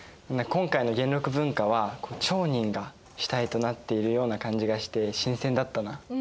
今回の元禄文化は町人が主体となっているような感じがして新鮮だったな。